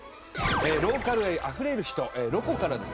ローカル愛あふれる人「ロコ」からですね